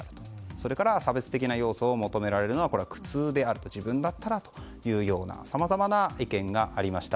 それから差別的な要素を求められるのは苦痛であると。自分だったらというようなさまざまな意見がありました。